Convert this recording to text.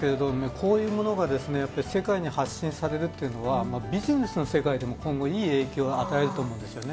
こういうものが世界に発信されるというのはビジネスの世界でも今後いい影響を与えると思うんですよね。